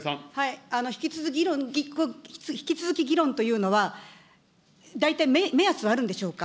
引き続き議論というのは、大体目安はあるんでしょうか。